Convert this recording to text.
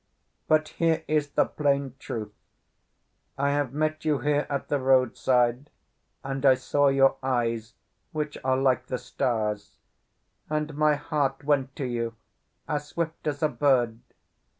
But here is the plain truth. I have met you here at the roadside, and I saw your eyes, which are like the stars, and my heart went to you as swift as a bird.